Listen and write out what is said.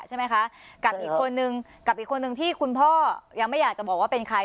ใช่ไหมคะกับอีกคนนึงกับอีกคนนึงที่คุณพ่อยังไม่อยากจะบอกว่าเป็นใคร